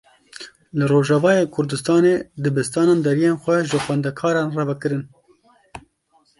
Li Rojavayê Kurdistanê dibistanan deriyên xwe ji xwendekaran re vekirin.